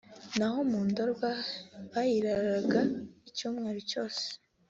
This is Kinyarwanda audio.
naho mu Ndorwa bayiraraga icyumweru cyose